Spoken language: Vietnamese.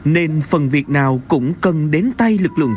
nên phần việc nào cũng cần đến tay lực lượng